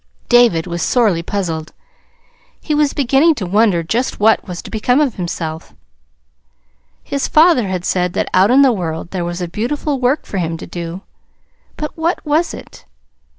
David was sorely puzzled. He was beginning to wonder just what was to become of himself. His father had said that out in the world there was a beautiful work for him to do; but what was it?